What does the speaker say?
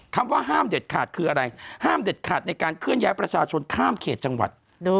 คำว่าห้ามเด็ดขาดคืออะไรห้ามเด็ดขาดในการเคลื่อนย้ายประชาชนข้ามเขตจังหวัด